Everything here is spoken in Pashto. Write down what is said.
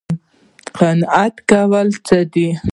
قناعت کول څه دي؟